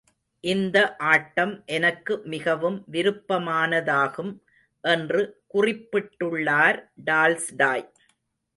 இந்த ஆட்டம் எனக்கு மிகவும் விருப்பமானதாகும். என்று குறிப்பிட்டுள்ளார், டால்ஸ்டாய்.